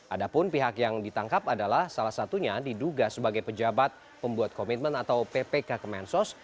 ada pun pihak yang ditangkap adalah salah satunya diduga sebagai pejabat pembuat komitmen atau ppk kemensos